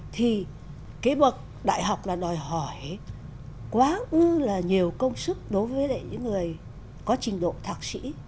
thì cái bậc đại học là đòi hỏi quá ư là nhiều công sức đối với những người có trình độ thạc sĩ